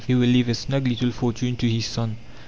He will leave a snug little fortune to his son.